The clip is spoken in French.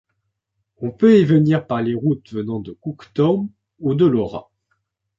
On peut y venir par les routes venant de Cooktown ou de Laura.